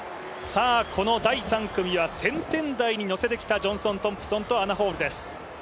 第３組は１０００点台に乗せてきたジョンソン・トンプソンとアナ・ホールです。